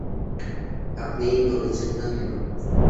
আপনিই বলছেন না কেন?